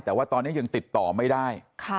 แต่ว่าตอนนี้ยังติดต่อไม่ได้